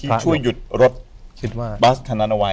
ที่ช่วยหยุดรถบัสทะนั้นเอาไว้